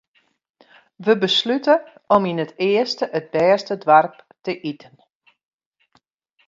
Wy beslute om yn it earste it bêste doarp te iten.